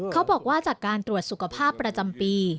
เขาบอกว่าจากการตรวจสุขภาพประจำปี